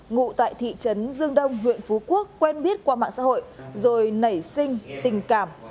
ngụ tại thị trấn dương đông huyện phú quốc quen biết qua mạng xã hội rồi nảy sinh tình cảm